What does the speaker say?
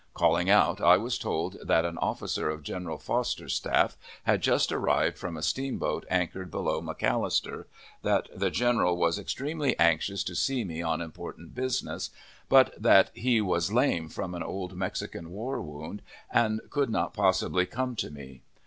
Calling out, I was told that an officer of General Fosters staff had just arrived from a steamboat anchored below McAllister; that the general was extremely anxious to see me on important business, but that he was lame from an old Mexican War wound, and could not possibly come to me.